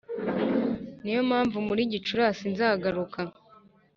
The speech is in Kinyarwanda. Ni yo mpamvu muri Gicurasi nzagaruka